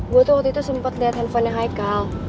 gue tuh waktu itu sempet liat handphonenya haikal